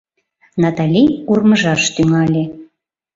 Натали урмыжаш тӱҥале.